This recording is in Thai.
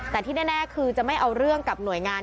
แต่ที่แน่คือจะไม่เอาเรื่องกับหน่วยงาน